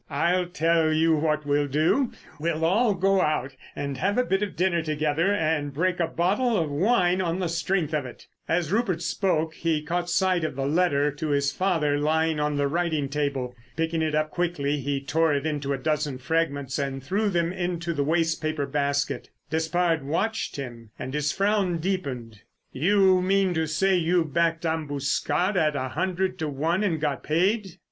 I'll tell you what we'll do. We'll all go out and have a bit of dinner together and break a bottle of wine on the strength of it." As Rupert spoke he caught sight of the letter to his father lying on the writing table. Picking it up quickly he tore it into a dozen fragments and threw them into the waste paper basket. Despard watched him, and his frown deepened. "You mean to say you backed Ambuscade at a hundred to one and got paid!"